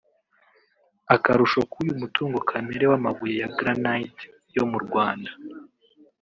Akarusho k’uyu mutungo kamere w’amabuye ya Granite yo mu Rwanda